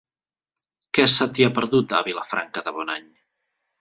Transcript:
Què se t'hi ha perdut, a Vilafranca de Bonany?